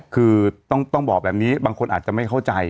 คือต้องบอกแบบนี้บางคนอาจจะไม่เข้าใจ